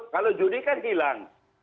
kalau judi kan hilang